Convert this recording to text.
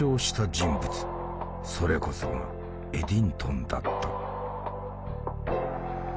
それこそがエディントンだった。